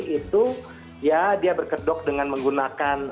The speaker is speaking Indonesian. itu ya dia berkedok dengan menggunakan